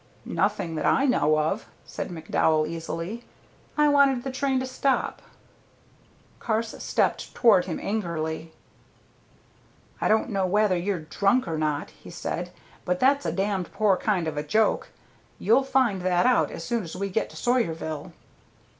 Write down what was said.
"Nothing that I know of," said McDowell, easily. "I wanted the train to stop." Carse stepped toward him angrily. "I don't know whether you're drunk or not," he said, "but that's a damned poor kind of a joke. You'll find that out as soon as we get to Sawyerville."